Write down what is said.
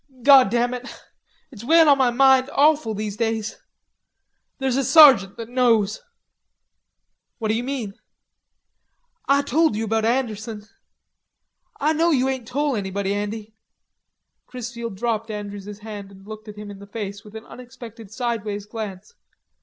God damn it; it's weighin' on ma mind awful these days.... There's a sergeant that knows." "What you mean?" "Ah told ye about Anderson...Ah know you ain't tole anybody, Andy." Chrisfield dropped Andrews's hand and looked at him in the face with an unexpected sideways glance.